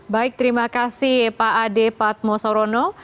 baik terima kasih pak adi padmo sorono